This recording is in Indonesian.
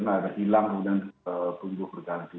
ada hilang kemudian tumbuh berganti